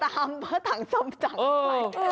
ตามพระถังซำจังไป